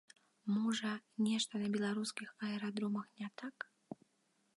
Можа, нешта на беларускіх аэрадромах не так?